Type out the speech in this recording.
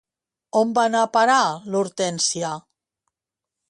On va anar a parar l'Hortensia?